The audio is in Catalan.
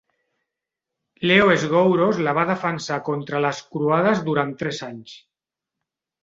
Leo Sgouros la va defensar contra les croades durant tres anys.